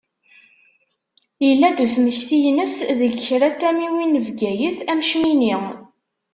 Yella-d usmekti-ines deg kra n tamiwin n Bgayet am Cmini.